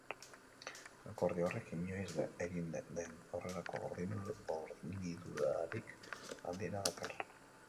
Akordio horrek inoiz egin den horrelako hornidurarik handiena dakar.